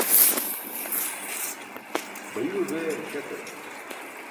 bayuuwa bee śakare?